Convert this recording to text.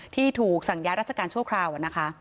ที่ถูกสั่งย้ายราชการชั่วคราวนะคะ